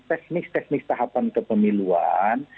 teknik teknik tahapan kepemiluan